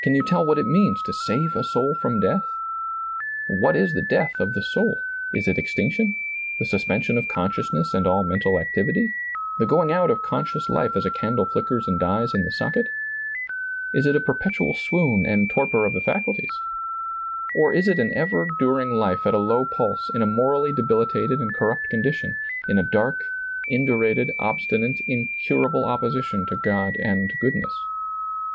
Can you tell what it means to save a soul from death ? What is the death of the soul ? Is it extinction, the suspen sion of consciousness and all mental activity, the going out of conscious life as a candle flickers and ^lailizccbvGoOgle THE VALUE OF THE SOUL 135 dies in the socket ? Is it a perpetual swoon and torpor of the &cuhies ? Or is it an ever during life at a low pulse, in a morally debilitated and corrupt condition, in a dark, indurated, obstinate, incurable opposition to God and goodness